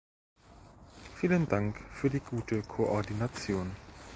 Vielen Dank für die gute Koordination!